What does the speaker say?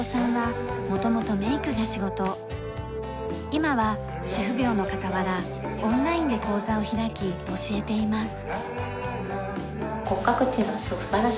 今は主婦業の傍らオンラインで講座を開き教えています。